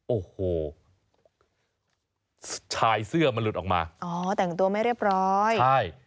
โอ้โหชายเสื้อมันหลุดออกมาอ๋อแต่งตัวไม่เรียบร้อยใช่